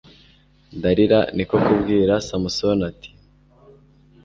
dalila ni ko kubwira samusoni, ati